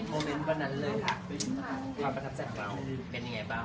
โอเคภาพภัพใจของเราเป็นยังไงบ้าง